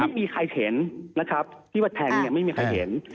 ไม่มีใครเห็นนะครับที่ว่าแทงเนี่ยไม่มีใครเห็น